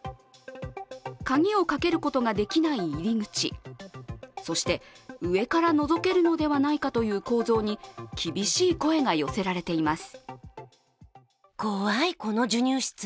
鍵をかけることができない入り口、そして、上からのぞけるのではないかという構造に厳しい声が寄せられています。